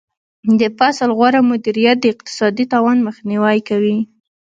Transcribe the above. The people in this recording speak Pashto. د فصل غوره مدیریت د اقتصادي تاوان مخنیوی کوي.